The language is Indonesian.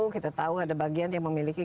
kita tahu ada bagian yang memiliki